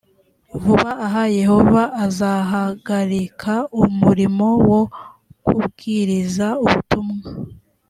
vuba aha yehova azahagarika umurimo wo kubwiriza ubutumwa